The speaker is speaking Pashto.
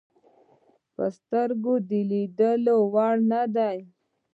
په سترګو د لیدلو وړ نه دي.